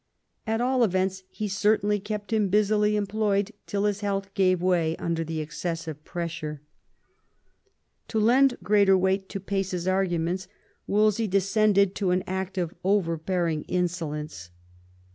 At all events, he certainly kept him busily employed till his health gave way under the excessive pressure. To lend greater weight to Pace's arguments, Wolsey descended 96 THOMAS WOLSEY chap. to an act of overbearing insolence.